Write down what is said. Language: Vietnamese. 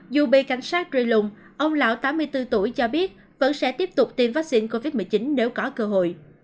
dù bị cảnh sát reung ông lão tám mươi bốn tuổi cho biết vẫn sẽ tiếp tục tiêm vaccine covid một mươi chín nếu có cơ hội